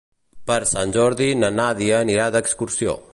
Per Sant Jordi na Nàdia anirà d'excursió.